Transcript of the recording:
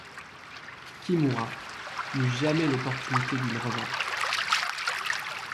Kimura n'eut jamais l'opportunité d'une revanche.